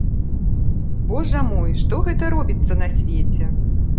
Божа мой, што гэта робіцца на свеце!